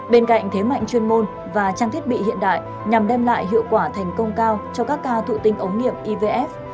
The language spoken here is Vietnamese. bên cạnh thế mạnh chuyên môn và trang thiết bị hiện đại nhằm đem lại hiệu quả thành công cao cho các ca thụ tinh ống nghiệp ivf